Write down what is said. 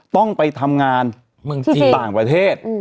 ต้องไปทำงานที่ต่างประเทศ